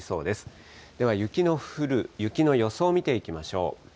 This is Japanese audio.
では雪の降る、雪の予想を見ていきましょう。